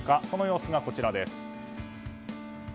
その様子がこちらです。